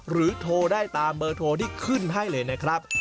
โทรได้ตามเบอร์โทรที่ขึ้นให้เลยนะครับ